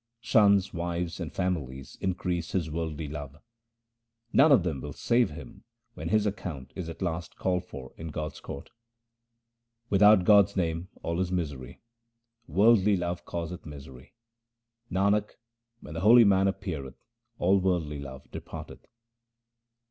Sons, wives, and families increase his worldly love : None of them will save him when his account is at last called for in God's court. Without God's name all is misery ; worldly love causeth misery. Nanak, when the holy man appeareth all worldly love depart eth.